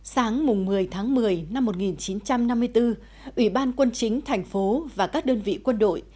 sáng một mươi tháng một mươi năm một nghìn chín trăm năm mươi bốn ủy ban quân chính thành phố và các đơn vị quân đội